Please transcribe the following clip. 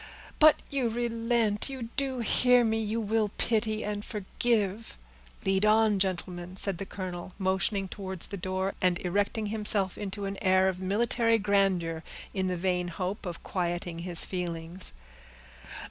But you relent, you do hear me, you will pity and forgive." "Lead on, gentlemen," said the colonel, motioning towards the door, and erecting himself into an air of military grandeur, in the vain hope of quieting his feelings.